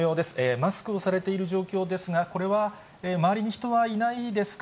マスクをされている状況ですが、これは周りに人はいないですか？